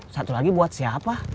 satu lagi buat siapa